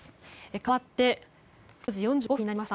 かわって４時４５分になりました。